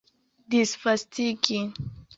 disvastigi